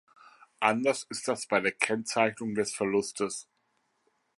Anders ist das bei der Kennzeichnung des Verlustes.